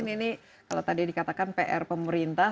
ini kalau tadi dikatakan pr pemerintah